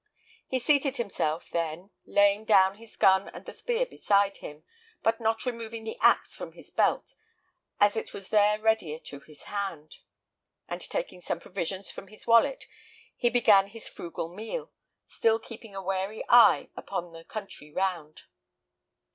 He seated himself, then, laying down his gun and the spear beside him, but not removing the axe from his belt, as it was there readier to his hand; and, taking some provisions from his wallet, he began his frugal meal, still keeping a wary eye upon the country round.